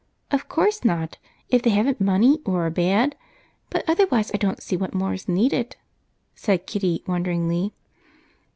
"Of course not if they haven't money or are bad. But otherwise I don't see what more is needed," said Kitty wonderingly.